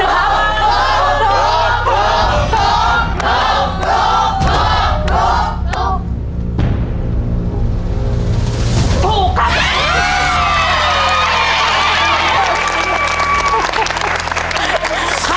ขอบคุณครับ